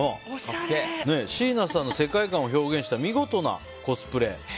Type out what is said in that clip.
椎名さんの世界観を表現した見事なコスプレ。